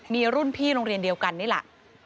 มีรุ่นพี่โรงเรียนเดียวกันนี่แหละ